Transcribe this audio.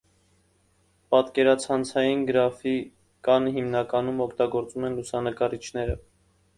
Պատկերացանցային գրաֆիկան հիմնականում օգտագործում են լուսանկարիչները։